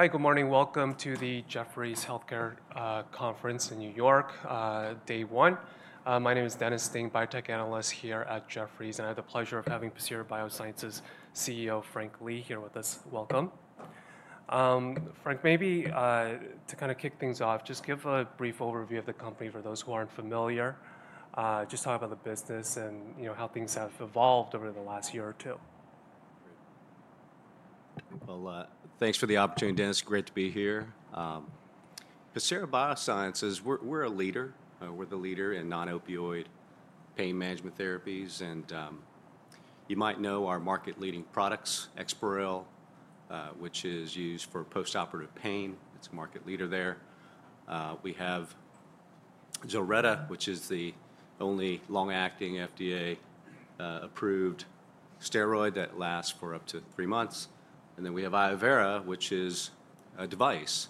Hi, good morning. Welcome to the Jefferies Healthcare Conference in New York, day one. My name is Dennis Ding, biotech analyst here at Jefferies, and I have the pleasure of having Pacira BioSciences CEO Frank Lee here with us. Welcome. Frank, maybe to kind of kick things off, just give a brief overview of the company for those who aren't familiar. Just talk about the business and how things have evolved over the last year or two. Great. Thanks for the opportunity, Dennis. Great to be here. Pacira BioSciences, we're a leader. We're the leader in non-opioid pain management therapies, and you might know our market-leading products, Exparel, which is used for postoperative pain. It's a market leader there. We have ZILRETTA, which is the only long-acting FDA-approved steroid that lasts for up to three months. We have Iovera, which is a device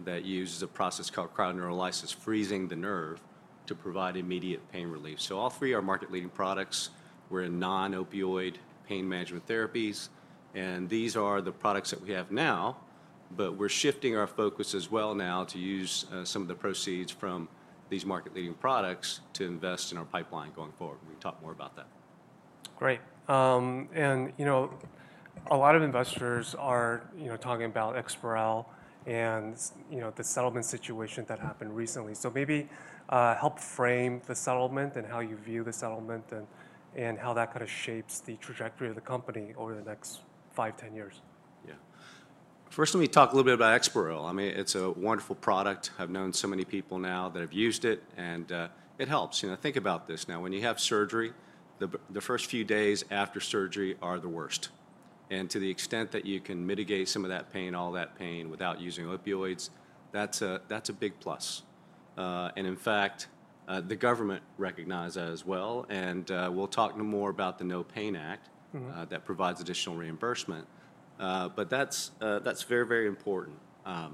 that uses a process called cryoneurolysis, freezing the nerve to provide immediate pain relief. All three are market-leading products. We're in non-opioid pain management therapies, and these are the products that we have now, but we're shifting our focus as well now to use some of the proceeds from these market-leading products to invest in our pipeline going forward. We can talk more about that. Great. A lot of investors are talking about Exparel and the settlement situation that happened recently. Maybe help frame the settlement and how you view the settlement and how that kind of shapes the trajectory of the company over the next five, 10 years. Yeah. First, let me talk a little bit about Exparel. I mean, it's a wonderful product. I've known so many people now that have used it, and it helps. Think about this now. When you have surgery, the first few days after surgery are the worst. To the extent that you can mitigate some of that pain, all that pain, without using opioids, that's a big plus. In fact, the government recognized that as well. We'll talk more about the No Pain Act that provides additional reimbursement, but that's very, very important. For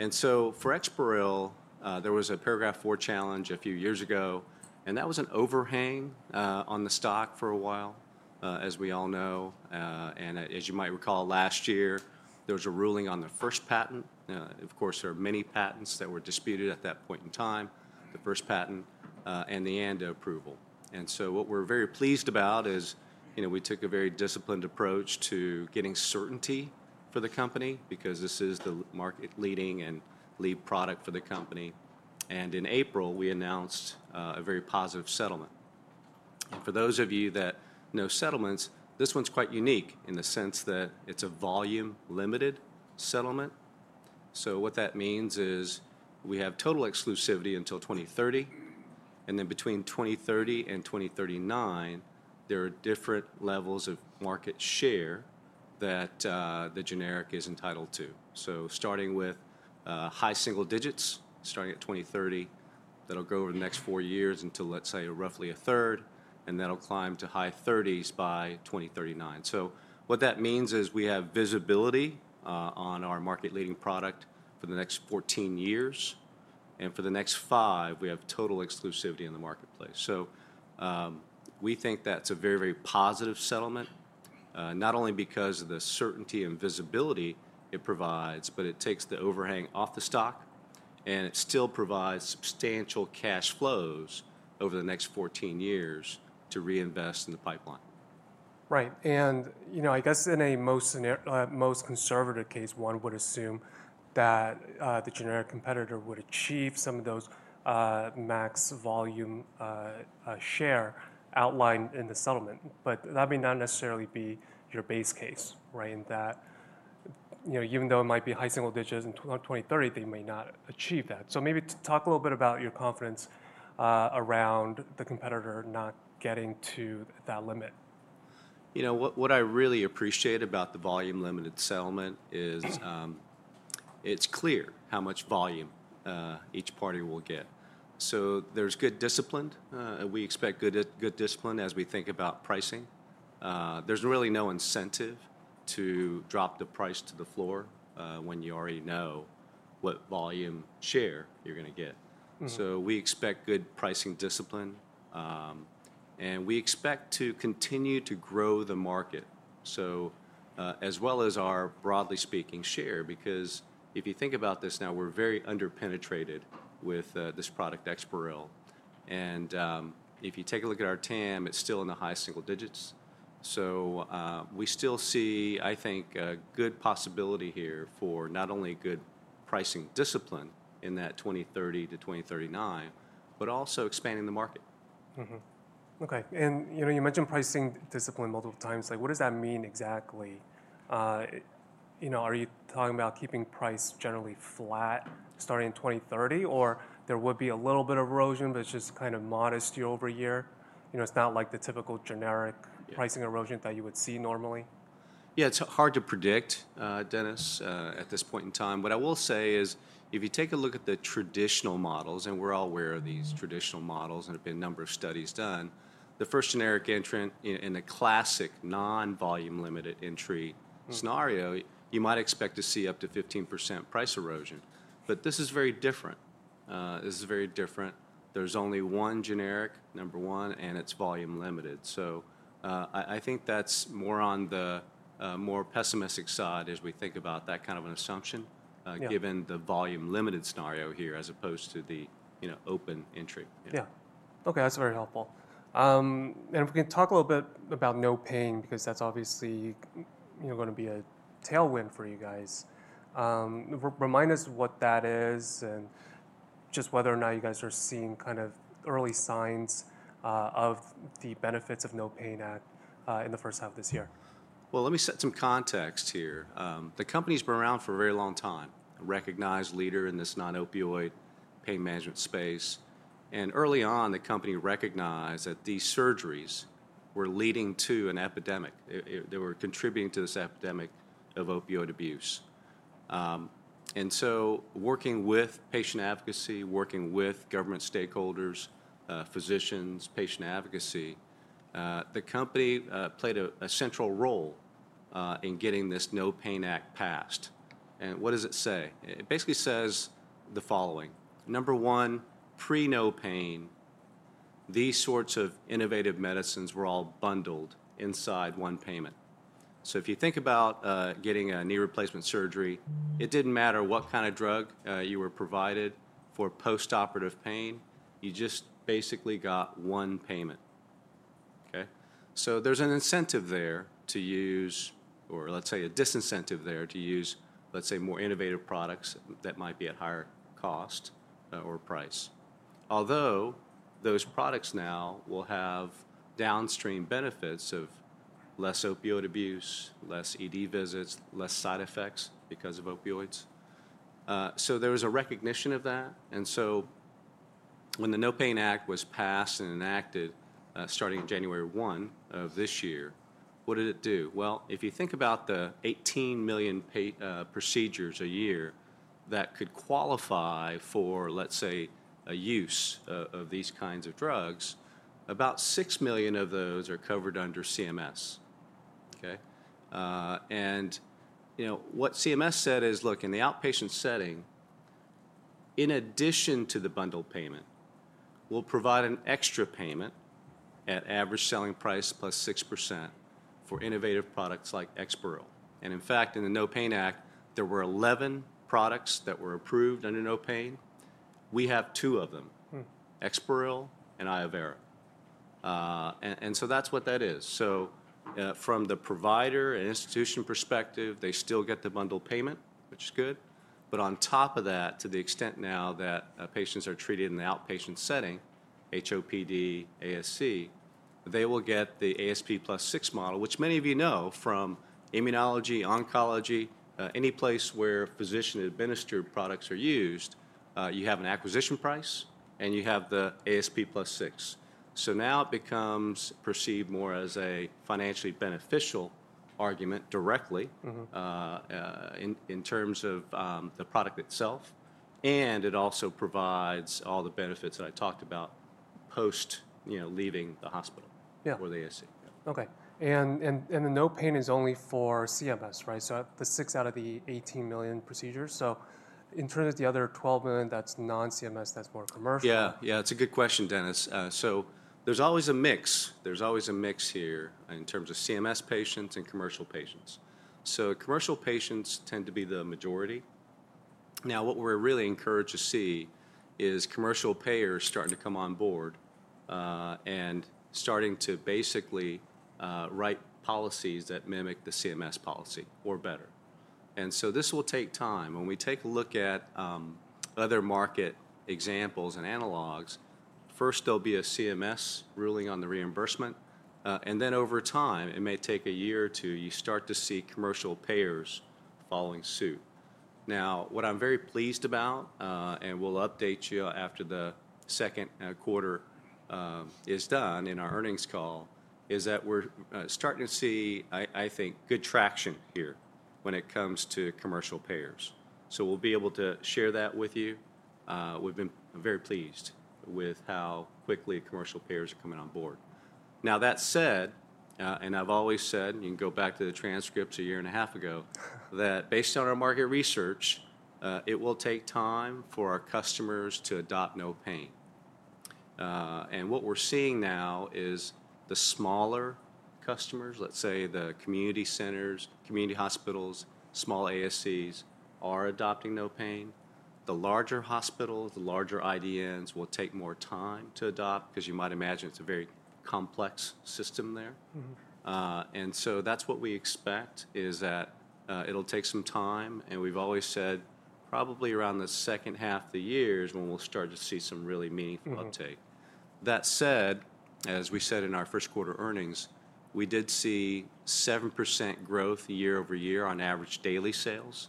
Exparel, there was a paragraph IV challenge a few years ago, and that was an overhang on the stock for a while, as we all know. As you might recall, last year, there was a ruling on the first patent. Now, of course, there are many patents that were disputed at that point in time, the first patent and the end approval. What we're very pleased about is we took a very disciplined approach to getting certainty for the company because this is the market-leading and lead product for the company. In April, we announced a very positive settlement. For those of you that know settlements, this one's quite unique in the sense that it's a volume-limited settlement. What that means is we have total exclusivity until 2030, and then between 2030 and 2039, there are different levels of market share that the generic is entitled to. Starting with high single digits, starting at 2030, that'll grow over the next four years until, let's say, roughly a third, and that'll climb to high thirties by 2039. What that means is we have visibility on our market-leading product for the next 14 years, and for the next five, we have total exclusivity in the marketplace. We think that's a very, very positive settlement, not only because of the certainty and visibility it provides, but it takes the overhang off the stock, and it still provides substantial cash flows over the next 14 years to reinvest in the pipeline. Right. I guess in a most conservative case, one would assume that the generic competitor would achieve some of those max volume share outlined in the settlement, but that may not necessarily be your base case, right, in that even though it might be high single digits in 2030, they may not achieve that. Maybe talk a little bit about your confidence around the competitor not getting to that limit. You know, what I really appreciate about the volume-limited settlement is it's clear how much volume each party will get. So there's good discipline, and we expect good discipline as we think about pricing. There's really no incentive to drop the price to the floor when you already know what volume share you're going to get. So we expect good pricing discipline, and we expect to continue to grow the market, as well as our broadly speaking share, because if you think about this now, we're very underpenetrated with this product, Exparel. And if you take a look at our TAM, it's still in the high single digits. So we still see, I think, a good possibility here for not only good pricing discipline in that 2030 to 2039, but also expanding the market. Okay. You mentioned pricing discipline multiple times. What does that mean exactly? Are you talking about keeping price generally flat starting in 2030, or there would be a little bit of erosion, but it's just kind of modest year over year? It's not like the typical generic pricing erosion that you would see normally. Yeah, it's hard to predict, Dennis, at this point in time. What I will say is if you take a look at the traditional models, and we're all aware of these traditional models, and there have been a number of studies done, the first generic entry in a classic non-volume-limited entry scenario, you might expect to see up to 15% price erosion. This is very different. This is very different. There's only one generic, number one, and it's volume-limited. I think that's more on the more pessimistic side as we think about that kind of an assumption, given the volume-limited scenario here as opposed to the open entry. Yeah. Okay, that's very helpful. If we can talk a little bit about No Pain, because that's obviously going to be a tailwind for you guys. Remind us what that is and just whether or not you guys are seeing kind of early signs of the benefits of No Pain Act in the first half of this year. Let me set some context here. The company's been around for a very long time, a recognized leader in this non-opioid pain management space. Early on, the company recognized that these surgeries were leading to an epidemic. They were contributing to this epidemic of opioid abuse. Working with patient advocacy, working with government stakeholders, physicians, patient advocacy, the company played a central role in getting this No Pain Act passed. What does it say? It basically says the following. Number one, pre-No Pain, these sorts of innovative medicines were all bundled inside one payment. If you think about getting a knee replacement surgery, it did not matter what kind of drug you were provided for postoperative pain, you just basically got one payment. Okay? There's an incentive there to use, or let's say a disincentive there to use, let's say, more innovative products that might be at higher cost or price. Although those products now will have downstream benefits of less opioid abuse, less ED visits, less side effects because of opioids. There was a recognition of that. When the No Pain Act was passed and enacted starting January 1 of this year, what did it do? If you think about the 18 million procedures a year that could qualify for, let's say, a use of these kinds of drugs, about 6 million of those are covered under CMS. Okay? What CMS said is, look, in the outpatient setting, in addition to the bundled payment, we'll provide an extra payment at ASP + 6% for innovative products like Exparel. In fact, in the No Pain Act, there were 11 products that were approved under No Pain. We have two of them, Exparel and Iovera. That is what that is. From the provider and institution perspective, they still get the bundled payment, which is good. On top of that, to the extent now that patients are treated in the outpatient setting, HOPD, ASC, they will get the ASP + 6% model, which many of you know from immunology, oncology, any place where physician-administered products are used, you have an acquisition price and you have the ASP + 6%. Now it becomes perceived more as a financially beneficial argument directly in terms of the product itself. It also provides all the benefits that I talked about post-leaving the hospital or the ASC. Okay. The No Pain Act is only for CMS, right? The six out of the 18 million procedures. In terms of the other 12 million, that's non-CMS, that's more commercial. Yeah, yeah, it's a good question, Dennis. There's always a mix. There's always a mix here in terms of CMS patients and commercial patients. Commercial patients tend to be the majority. What we're really encouraged to see is commercial payers starting to come on board and starting to basically write policies that mimic the CMS policy or better. This will take time. When we take a look at other market examples and analogs, first there will be a CMS ruling on the reimbursement, and then over time, it may take a year or two, you start to see commercial payers following suit. What I'm very pleased about, and we'll update you after the second quarter is done in our earnings call, is that we're starting to see, I think, good traction here when it comes to commercial payers. We'll be able to share that with you. We've been very pleased with how quickly commercial payers are coming on board. Now, that said, and I've always said, you can go back to the transcripts a year and a half ago, that based on our market research, it will take time for our customers to adopt No Pain. What we're seeing now is the smaller customers, let's say the community centers, community hospitals, small ASCs are adopting No Pain. The larger hospitals, the larger IDNs will take more time to adopt because you might imagine it's a very complex system there. That's what we expect, that it'll take some time, and we've always said probably around the second half of the year is when we'll start to see some really meaningful uptake. That said, as we said in our first quarter earnings, we did see 7% growth year over year on average daily sales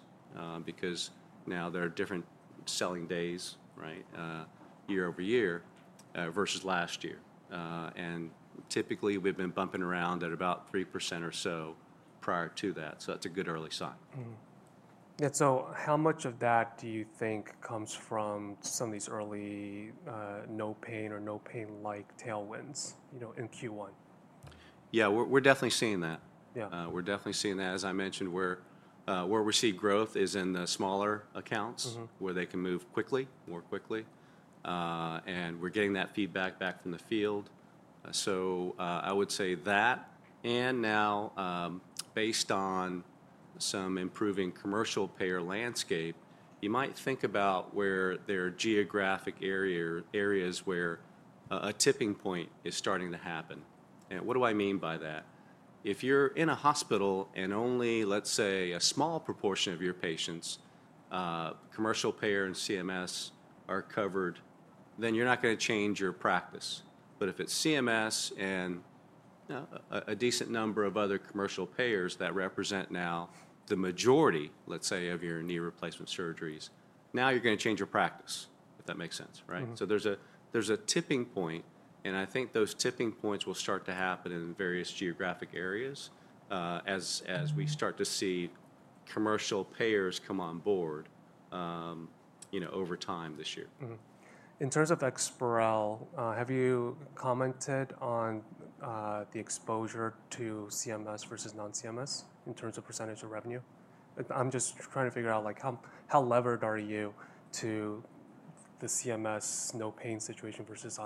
because now there are different selling days, right, year over year versus last year. Typically, we've been bumping around at about 3% or so prior to that. That is a good early sign. How much of that do you think comes from some of these early No Pain Act or No Pain Act-like tailwinds in Q1? Yeah, we're definitely seeing that. We're definitely seeing that. As I mentioned, where we see growth is in the smaller accounts where they can move quickly, more quickly. We're getting that feedback back from the field. I would say that. Now, based on some improving commercial payer landscape, you might think about where there are geographic areas where a tipping point is starting to happen. What do I mean by that? If you're in a hospital and only, let's say, a small proportion of your patients, commercial payer and CMS are covered, then you're not going to change your practice. If it's CMS and a decent number of other commercial payers that represent now the majority, let's say, of your knee replacement surgeries, now you're going to change your practice, if that makes sense, right? There's a tipping point, and I think those tipping points will start to happen in various geographic areas as we start to see commercial payers come on board over time this year. In terms of Exparel, have you commented on the exposure to CMS versus non-CMS in terms of percentage of revenue? I'm just trying to figure out how levered are you to the CMS No Pain Act situation versus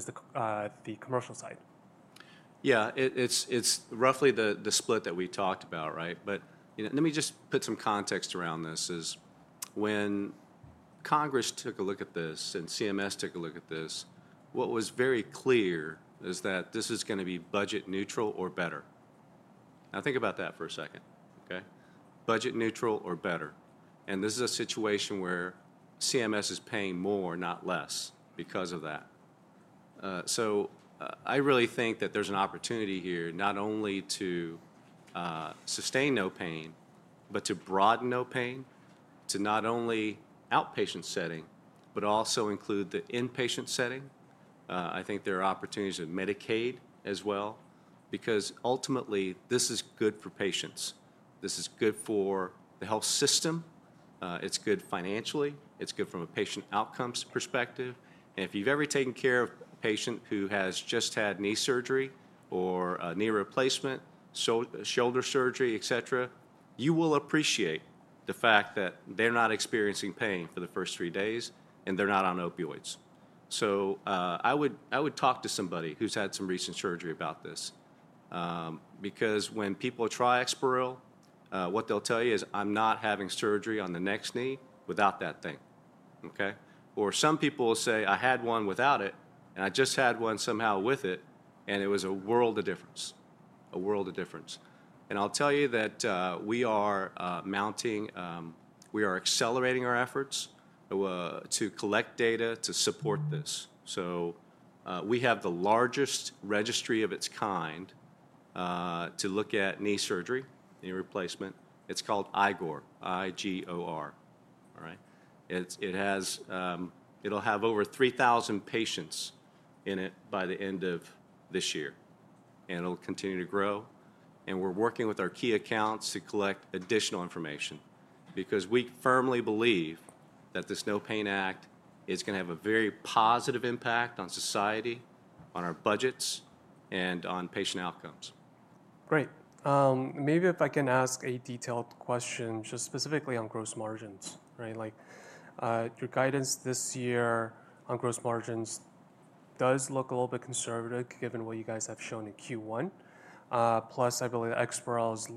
the commercial side? Yeah, it's roughly the split that we talked about, right? Let me just put some context around this. When Congress took a look at this and CMS took a look at this, what was very clear is that this is going to be budget neutral or better. Now, think about that for a second, okay? Budget neutral or better. This is a situation where CMS is paying more, not less, because of that. I really think that there's an opportunity here not only to sustain No Pain, but to broaden No Pain, to not only outpatient setting, but also include the inpatient setting. I think there are opportunities in Medicaid as well, because ultimately, this is good for patients. This is good for the health system. It's good financially. It's good from a patient outcomes perspective. If you've ever taken care of a patient who has just had knee surgery or knee replacement, shoulder surgery, etc., you will appreciate the fact that they're not experiencing pain for the first three days and they're not on opioids. I would talk to somebody who's had some recent surgery about this, because when people try Exparel, what they'll tell you is, "I'm not having surgery on the next knee without that thing." Some people will say, "I had one without it, and I just had one somehow with it, and it was a world of difference, a world of difference." I'll tell you that we are mounting, we are accelerating our efforts to collect data to support this. We have the largest registry of its kind to look at knee surgery and replacement. It's called IGOR, I-G-O-R, all right? It'll have over 3,000 patients in it by the end of this year, and it'll continue to grow. We are working with our key accounts to collect additional information, because we firmly believe that this No Pain Act is going to have a very positive impact on society, on our budgets, and on patient outcomes. Great. Maybe if I can ask a detailed question just specifically on gross margins, right? Your guidance this year on gross margins does look a little bit conservative given what you guys have shown in Q1. Plus, I believe Exparel is,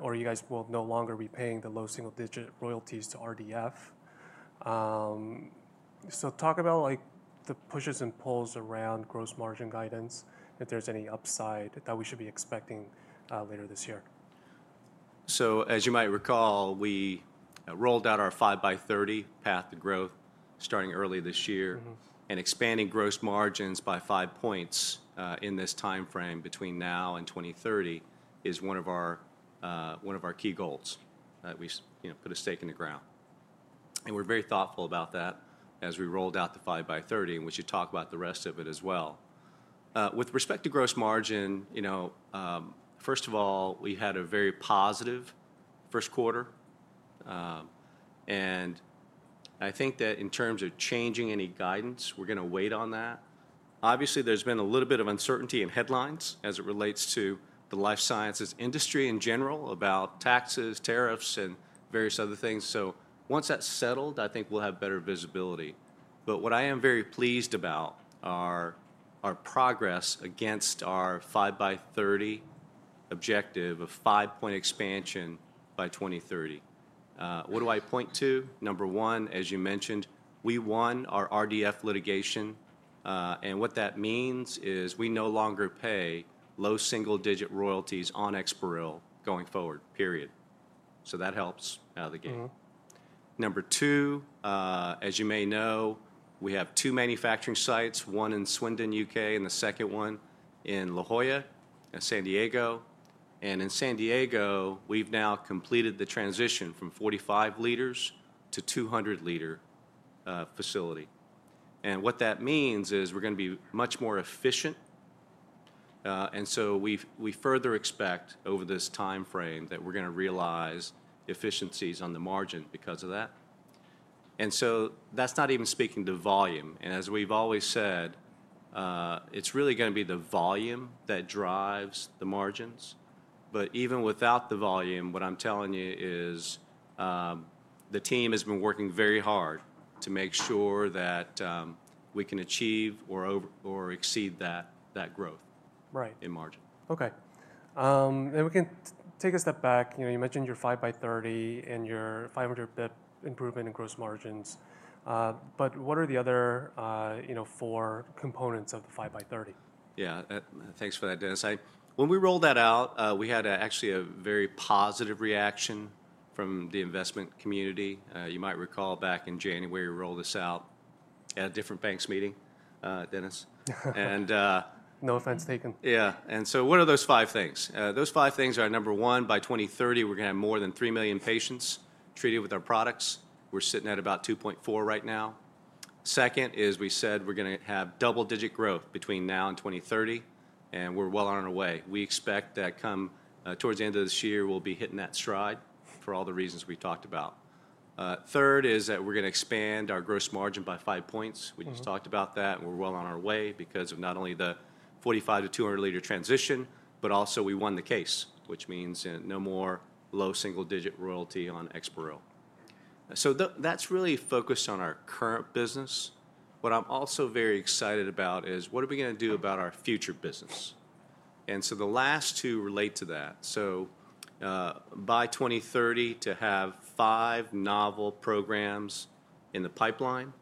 or you guys will no longer be paying the low single-digit royalties to RDF. Talk about the pushes and pulls around gross margin guidance, if there's any upside that we should be expecting later this year. As you might recall, we rolled out our five by 30 path to growth starting early this year. Expanding gross margins by five points in this timeframe between now and 2030 is one of our key goals that we put a stake in the ground. We are very thoughtful about that as we rolled out the five by 30, and we should talk about the rest of it as well. With respect to gross margin, first of all, we had a very positive first quarter. I think that in terms of changing any guidance, we are going to wait on that. Obviously, there has been a little bit of uncertainty in headlines as it relates to the life sciences industry in general about taxes, tariffs, and various other things. Once that is settled, I think we will have better visibility. What I am very pleased about are our progress against our five by 30 objective of five-point expansion by 2030. What do I point to? Number one, as you mentioned, we won our RDF litigation. What that means is we no longer pay low single-digit royalties on Exparel going forward, period. That helps out the game. Number two, as you may know, we have two manufacturing sites, one in Swindon, U.K., and the second one in La Jolla and San Diego. In San Diego, we've now completed the transition from 45 L-200 L facility. What that means is we're going to be much more efficient. We further expect over this timeframe that we're going to realize efficiencies on the margin because of that. That is not even speaking to volume. As we have always said, it is really going to be the volume that drives the margins. Even without the volume, what I am telling you is the team has been working very hard to make sure that we can achieve or exceed that growth in margin. Okay. We can take a step back. You mentioned your 5 by 30 and your 500 basis point improvement in gross margins. What are the other four components of the 5 by 30? Yeah, thanks for that, Dennis. When we rolled that out, we had actually a very positive reaction from the investment community. You might recall back in January, we rolled this out at a different bank's meeting, Dennis. No offense taken. Yeah. What are those five things? Those five things are, number one, by 2030, we're going to have more than 3 million patients treated with our products. We're sitting at about 2.4 right now. Second is we said we're going to have double-digit growth between now and 2030, and we're well on our way. We expect that come towards the end of this year, we'll be hitting that stride for all the reasons we talked about. Third is that we're going to expand our gross margin by five points. We just talked about that, and we're well on our way because of not only the 45-200 L transition, but also we won the case, which means no more low single-digit royalty on Exparel. That's really focused on our current business. What I'm also very excited about is what are we going to do about our future business? The last two relate to that. By 2030, to have five novel programs in the pipeline.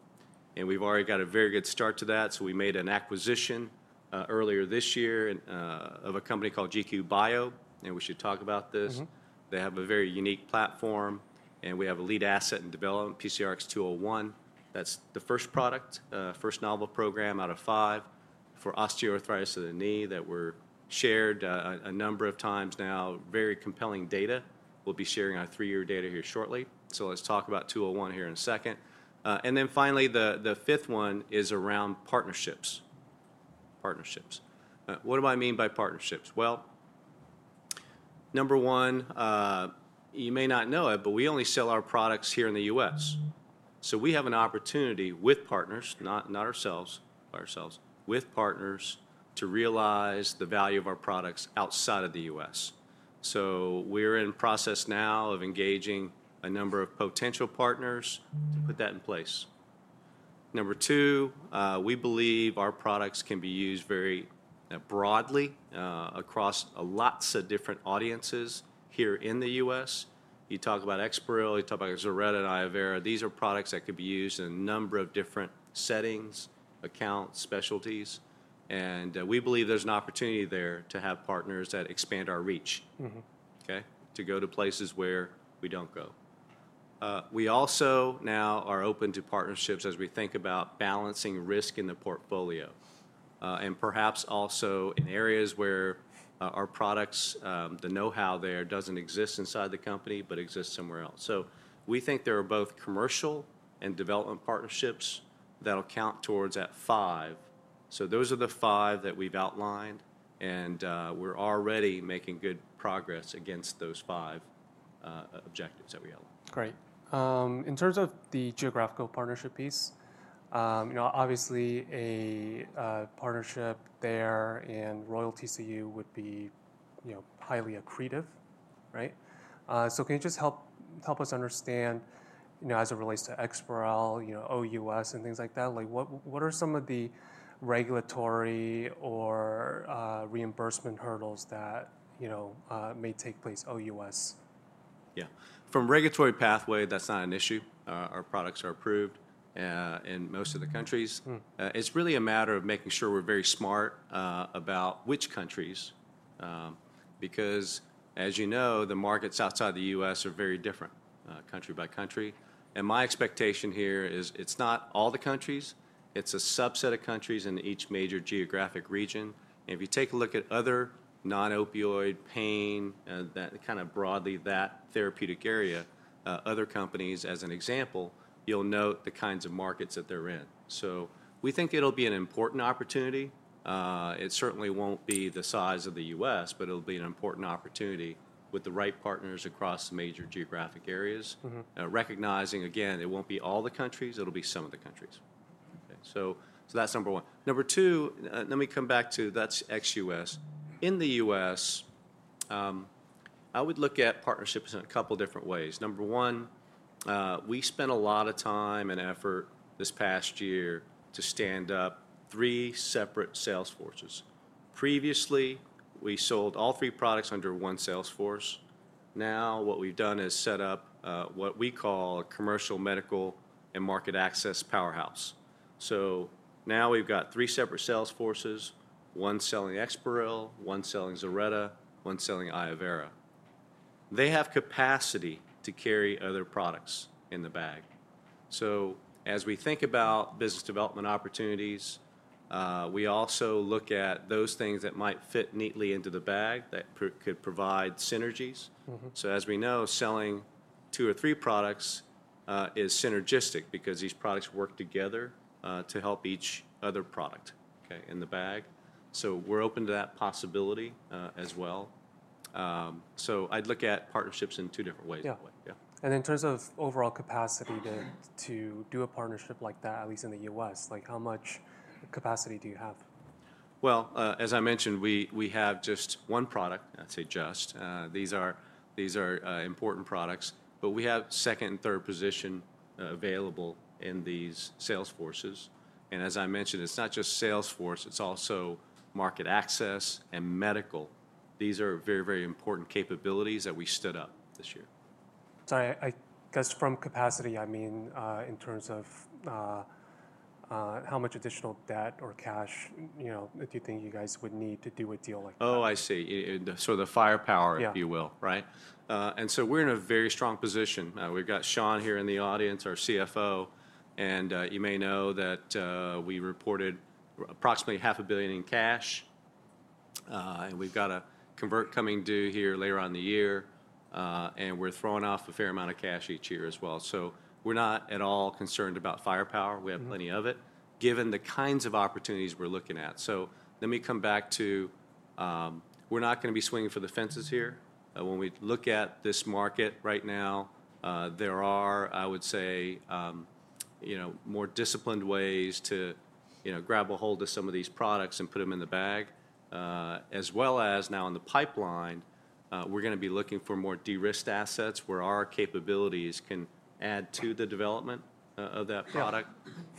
We've already got a very good start to that. We made an acquisition earlier this year of a company called GQ Bio, and we should talk about this. They have a very unique platform, and we have a lead asset in development, PCRX 201. That's the first product, first novel program out of five for osteoarthritis of the knee that we've shared a number of times now, very compelling data. We'll be sharing our three-year data here shortly. Let's talk about 201 here in a second. Finally, the fifth one is around partnerships. Partnerships. What do I mean by partnerships? Number one, you may not know it, but we only sell our products here in the U.S. We have an opportunity with partners, not ourselves, by ourselves, with partners to realize the value of our products outside of the U.S. We are in the process now of engaging a number of potential partners to put that in place. Number two, we believe our products can be used very broadly across lots of different audiences here in the U.S. You talk about Exparel, you talk about ZILRETTA and Iovera. These are products that could be used in a number of different settings, accounts, specialties. We believe there is an opportunity there to have partners that expand our reach, to go to places where we do not go. We also now are open to partnerships as we think about balancing risk in the portfolio and perhaps also in areas where our products, the know-how there does not exist inside the company, but exists somewhere else. We think there are both commercial and development partnerships that will count towards that five. Those are the five that we have outlined, and we are already making good progress against those five objectives that we outlined. Great. In terms of the geographical partnership piece, obviously, a partnership there and royalties to you would be highly accretive, right? Can you just help us understand as it relates to Exparel, OUS, and things like that? What are some of the regulatory or reimbursement hurdles that may take place OUS? Yeah. From regulatory pathway, that's not an issue. Our products are approved in most of the countries. It's really a matter of making sure we're very smart about which countries, because as you know, the markets outside the U.S. are very different country by country. My expectation here is it's not all the countries. It's a subset of countries in each major geographic region. If you take a look at other non-opioid pain, kind of broadly that therapeutic area, other companies, as an example, you'll note the kinds of markets that they're in. We think it'll be an important opportunity. It certainly won't be the size of the U.S., but it'll be an important opportunity with the right partners across major geographic areas, recognizing, again, it won't be all the countries. It'll be some of the countries. That's number one. Number two, let me come back to that is ex-US. In the U.S., I would look at partnerships in a couple of different ways. Number one, we spent a lot of time and effort this past year to stand up three separate sales forces. Previously, we sold all three products under one sales force. Now what we have done is set up what we call a commercial, medical, and market access powerhouse. Now we have three separate sales forces, one selling Exparel, one selling ZILRETTA, one selling Iovera. They have capacity to carry other products in the bag. As we think about business development opportunities, we also look at those things that might fit neatly into the bag that could provide synergies. As we know, selling two or three products is synergistic because these products work together to help each other product in the bag. We're open to that possibility as well. I'd look at partnerships in two different ways that way. In terms of overall capacity to do a partnership like that, at least in the U.S., how much capacity do you have? As I mentioned, we have just one product, I'd say just. These are important products. We have second and third position available in these sales forces. As I mentioned, it's not just sales force. It's also market access and medical. These are very, very important capabilities that we stood up this year. Sorry, I guess from capacity, I mean in terms of how much additional debt or cash do you think you guys would need to do a deal like that? Oh, I see. The firepower, if you will, right? We're in a very strong position. We've got Sean here in the audience, our CFO. You may know that we reported approximately $500,000,000 in cash. We've got a convert coming due later on in the year. We're throwing off a fair amount of cash each year as well. We're not at all concerned about firepower. We have plenty of it, given the kinds of opportunities we're looking at. Let me come back to we're not going to be swinging for the fences here. When we look at this market right now, there are, I would say, more disciplined ways to grab a hold of some of these products and put them in the bag, as well as now in the pipeline, we're going to be looking for more de-risked assets where our capabilities can add to the development of that product.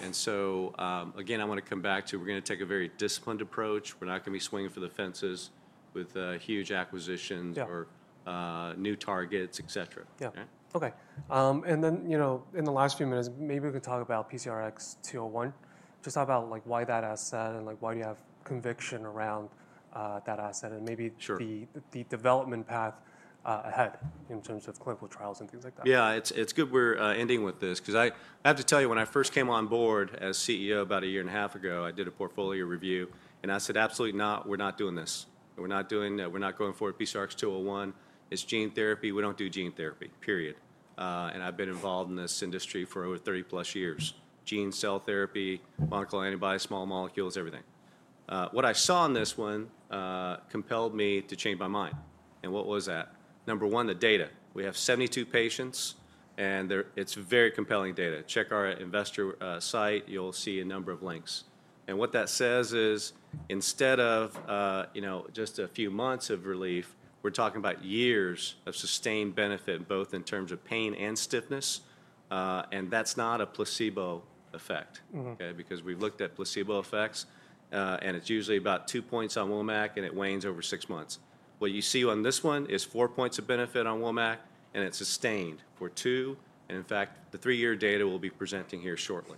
I want to come back to we're going to take a very disciplined approach. We're not going to be swinging for the fences with huge acquisitions or new targets, et cetera. Yeah. Okay. In the last few minutes, maybe we can talk about PCRX 201, just talk about why that asset and why do you have conviction around that asset and maybe the development path ahead in terms of clinical trials and things like that. Yeah, it's good we're ending with this because I have to tell you, when I first came on board as CEO about a year and a half ago, I did a portfolio review. I said, absolutely not, we're not doing this. We're not going forward with PCRX 201. It's gene therapy. We don't do gene therapy, period. I've been involved in this industry for over 30-plus years. Gene cell therapy, monoclonal antibodies, small molecules, everything. What I saw in this one compelled me to change my mind. What was that? Number one, the data. We have 72 patients, and it's very compelling data. Check our investor site. You'll see a number of links. What that says is instead of just a few months of relief, we're talking about years of sustained benefit, both in terms of pain and stiffness. That is not a placebo effect, okay, because we've looked at placebo effects, and it's usually about two points on WOMAC, and it wanes over six months. What you see on this one is four points of benefit on WOMAC, and it's sustained for two. In fact, the three-year data we'll be presenting here shortly.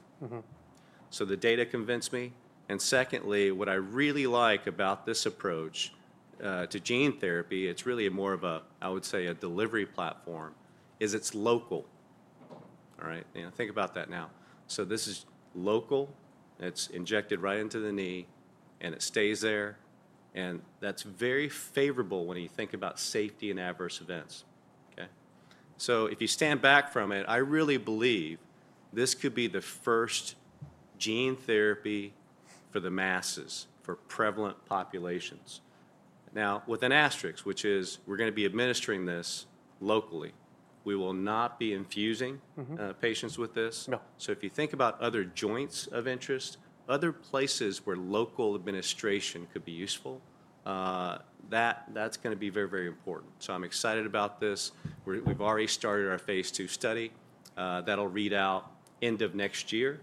The data convinced me. Secondly, what I really like about this approach to gene therapy, it's really more of a, I would say, a delivery platform, is it's local, all right? Think about that now. This is local. It's injected right into the knee, and it stays there. That is very favorable when you think about safety and adverse events, okay? If you stand back from it, I really believe this could be the first gene therapy for the masses, for prevalent populations. Now, with an asterisk, which is we're going to be administering this locally. We will not be infusing patients with this. If you think about other joints of interest, other places where local administration could be useful, that's going to be very, very important. I'm excited about this. We've already started our phase two study that'll read out end of next year.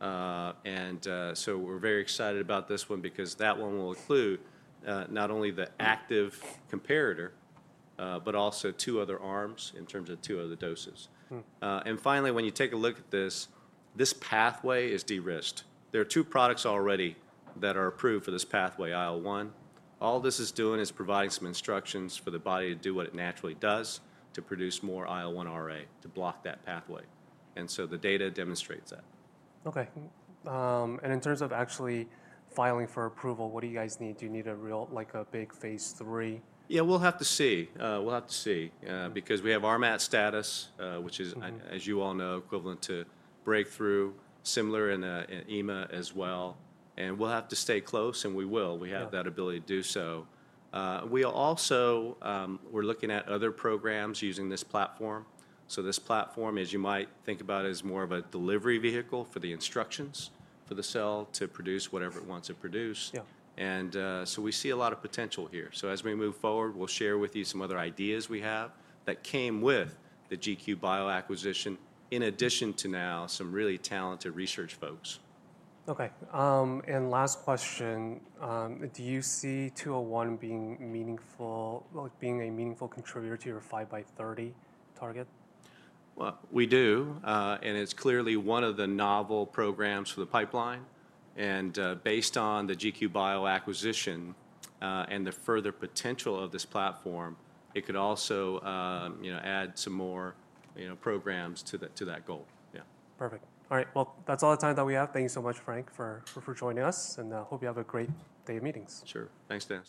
We're very excited about this one because that one will include not only the active comparator, but also two other arms in terms of two other doses. Finally, when you take a look at this, this pathway is de-risked. There are two products already that are approved for this pathway, IL-1. All this is doing is providing some instructions for the body to do what it naturally does to produce more IL-1Ra to block that pathway. The data demonstrates that. Okay. In terms of actually filing for approval, what do you guys need? Do you need a big phase three? Yeah, we'll have to see. We'll have to see because we have RMAT status, which is, as you all know, equivalent to breakthrough, similar in EMA as well. We have to stay close, and we will. We have that ability to do so. We're also looking at other programs using this platform. This platform, as you might think about, is more of a delivery vehicle for the instructions for the cell to produce whatever it wants to produce. We see a lot of potential here. As we move forward, we'll share with you some other ideas we have that came with the GQ Bio acquisition in addition to now some really talented research folks. Okay. Last question, do you see 201 being a meaningful contributor to your five by 30 target? We do. It is clearly one of the novel programs for the pipeline. Based on the GQ Bio acquisition and the further potential of this platform, it could also add some more programs to that goal. Yeah. Perfect. All right. That is all the time that we have. Thank you so much, Frank, for joining us. I hope you have a great day of meetings. Sure. Thanks, Dad.